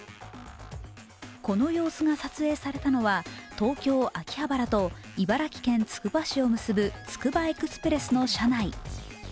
この様子が撮影されたのは、東京・秋葉原と茨城県つくば市を結ぶつくばエクスプレスの車内。